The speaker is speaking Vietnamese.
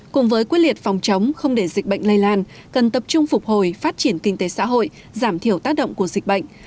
cùng với quyết liệt phòng chống không để dịch bệnh lây lan cần tập trung phục hồi phát triển kinh tế xã hội giảm thiểu tác động của dịch bệnh